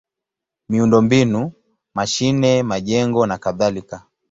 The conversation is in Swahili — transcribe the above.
miundombinu: mashine, majengo nakadhalika.